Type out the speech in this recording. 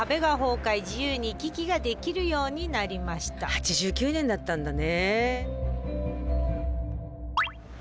８９年だったんだね。